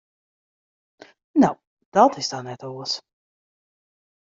No, dan is it net oars.